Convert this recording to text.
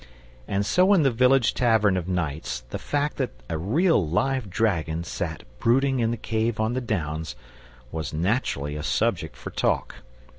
And so in the village tavern of nights the fact that a real live dragon sat brooding in the cave on the Downs was naturally a subject for talk.